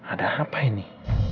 ada apa ini